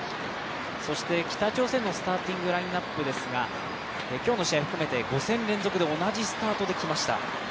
そして北朝鮮のスターティングラインナップですが今日の試合含めて５戦連続で同じスタートで来ました